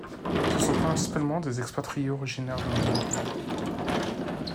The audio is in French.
Ce sont principalement des expatriés originaires de nombreux pays.